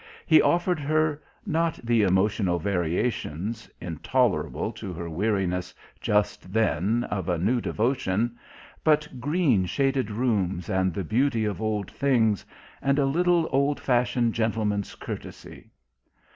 He offered her, not the emotional variations, intolerable to her weariness just then, of a new devotion; but green shaded rooms, and the beauty of old things, and a little old fashioned gentleman's courtesy....